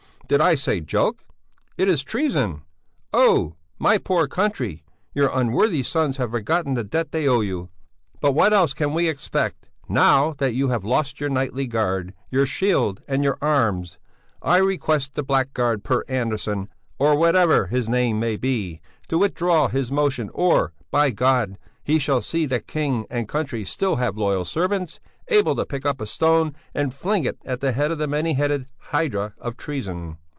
Did I say joke? It is treason! Oh! My poor country! Your unworthy sons have forgotten the debt they owe you! But what else can we expect, now, that you have lost your knightly guard, your shield and your arms! I request the blackguard Per Andersson, or whatever his name may be, to withdraw his motion or, by Gad! he shall see that King and country still have loyal servants, able to pick up a stone and fling it at the head of the many headed hydra of treason."